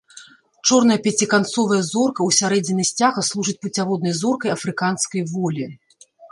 Чорная пяціканцовая зорка ў сярэдзіне сцяга служыць пуцяводнай зоркай афрыканскай волі.